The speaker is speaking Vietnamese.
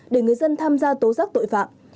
để người dân tham gia tố giác tội phạm